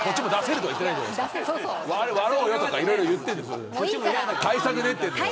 割ろうよとか、いろいろ対策練ってるんだから。